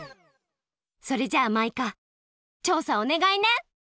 それじゃあマイカちょうさおねがいね！